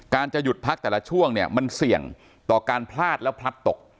การจะหยุดพักแต่ละช่วงมันเสี่ยงต่อการพลาดและพลัดตก